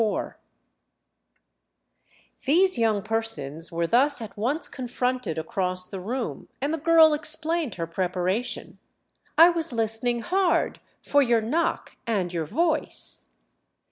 IV These young persons were thus at once confronted across the room, and the girl explained her preparation. "I was listening hard—for your knock and your voice."